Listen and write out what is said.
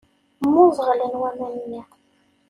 Mmuẓeɣlen waman-nni.